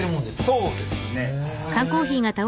そうですね。